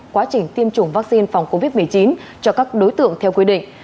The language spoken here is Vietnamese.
quá trình tiêm chủng vắc xin phòng covid một mươi chín cho các đối tượng theo quy định